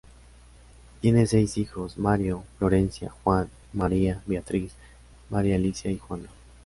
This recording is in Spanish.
Tiene seis hijos: Mario, Florencia, Juan, María Beatriz, María Alicia y Juana.